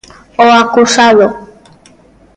O acusado.